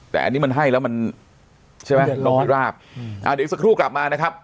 แต่อันนี้มันให้แล้วมันใช่ไหมเรามีราบอ่าเดี๋ยวอีกสักครู่กลับมานะครับ